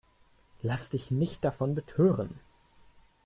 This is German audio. Lass dich nicht davon betören!